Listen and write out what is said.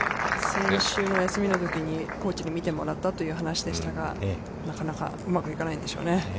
先週の休みのときに、コーチに見てもらったという話でしたが、なかなかうまくいかないんでしょうね。